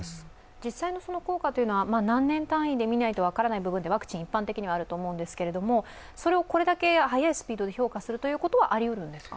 実際の効果は何年単位で見ないと分からない部分、ワクチンは一般的にはあると思うんですけれども、それをこれだけ早い期間で評価するということはありうるんですか？